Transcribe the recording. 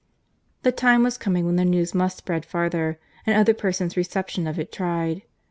'" The time was coming when the news must spread farther, and other persons' reception of it tried.